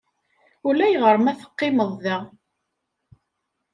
Ulayɣer ma teqqimeḍ da.